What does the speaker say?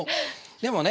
でもね